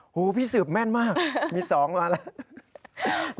หูพี่สืบแม่นมากมี๒มาแล้ว